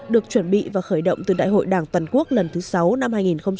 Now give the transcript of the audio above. được chuẩn bị và khởi động từ đại hội đảng toàn quốc lần thứ sáu năm hai nghìn một mươi tám